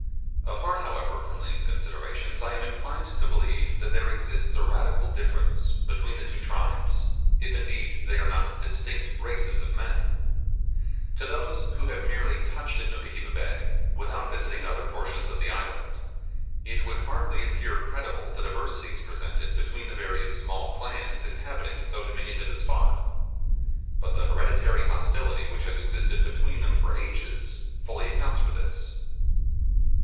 Apart, however, from these considerations, I am inclined to believe that there exists a radical difference between the two tribes, if indeed they are not distinct races of men. To those who have merely touched at Nukuheva Bay, without visiting other portions of the island, it would hardly appear credible the diversities presented between the various small clans inhabiting so diminutive a spot. But the hereditary hostility which has existed between them for ages, fully accounts for this.